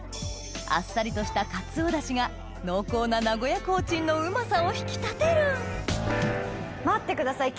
あっさりとしたカツオ出汁が濃厚な名古屋コーチンのうまさを引き立てる待ってください